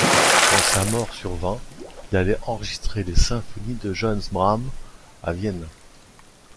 Quand sa mort survint, il allait enregistrer les symphonies de Johannes Brahms à Vienne.